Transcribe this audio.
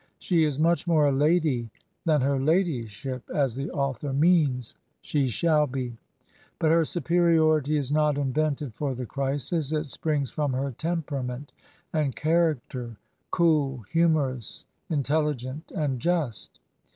She is mutll more a laay than her ladyship, as the author means she shall be; but her superiority is not invented for the crisis; it springs fro m her temperament an d character, cool, humdrgg ^T ititelh^^t and ju^s t?